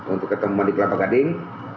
untuk ketemuan di kelapa gading